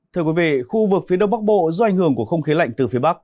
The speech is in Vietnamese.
thưa quý vị khu vực phía đông bắc bộ do ảnh hưởng của không khí lạnh từ phía bắc